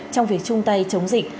trong việc chung tay chống dịch